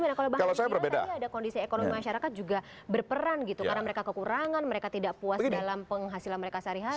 mbak ericko gimana kalau bahan real tadi ada kondisi ekonomi masyarakat juga berperan gitu karena mereka kekurangan mereka tidak puas dalam penghasilan mereka sehari hari